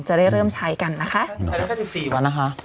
จะได้เริ่มใช้กันนะคะ